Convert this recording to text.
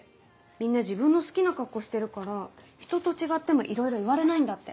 みんな自分の好きな格好してるからひとと違ってもいろいろ言われないんだって。